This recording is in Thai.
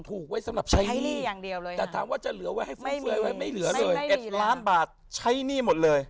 ถูกไว้สำหรับใช้หนี้ให้หนี้อย่างเดียวเลยครับแต่ทำไว้จะเหลือไว้ไม่เหลือเลยไม่มี๑ล้านบาทใช้หนี้หมดเลย